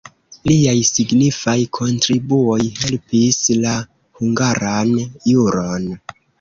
Liaj signifaj kontribuoj helpis la hungaran juron.